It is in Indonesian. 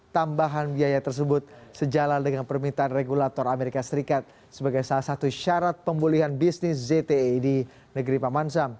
tambahan biaya tersebut sejalan dengan permintaan regulator amerika serikat sebagai salah satu syarat pemulihan bisnis zte di negeri pamanzam